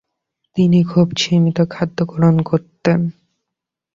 তিনি খুব সীমিত খাদ্য গ্রহণ করতেন।